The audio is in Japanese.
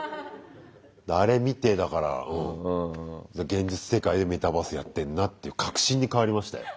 あれ見てだから現実世界でメタバースやってんなっていう確信に変わりましたよ。